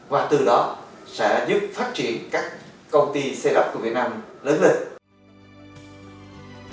và từ đó sẽ giúp phát triển các công ty xây lắp của việt nam lớn lên